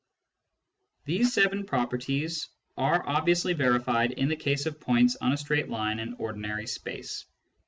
These seven properties are obviously verified in the case of points on a straight line in ordinary space.